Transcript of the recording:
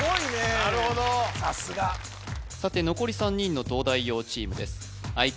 なるほどさすがさて残り３人の東大王チームです